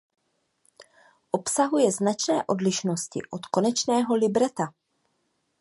Obsahuje značné odlišnosti od konečného libreta.